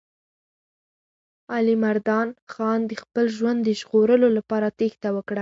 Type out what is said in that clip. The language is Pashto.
علیمردان خان د خپل ژوند د ژغورلو لپاره تېښته وکړه.